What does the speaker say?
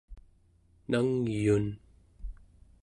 nangyun